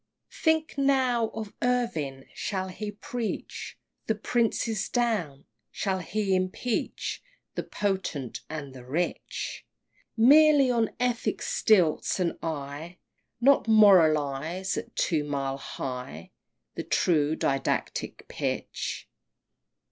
XVIII. Think now of Irving! shall he preach The princes down, shall he impeach The potent and the rich, Merely on ethic stilts, and I Not moralize at two mile high The true didactic pitch!